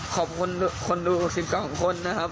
ขอบคุณคนดู๑๒คนนะครับ